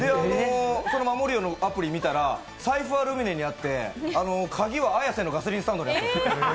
そのＭＡＭＯＲＩＯのアプリを見たら財布はルミネにあって、鍵は綾瀬のガソリンスタンドにありました。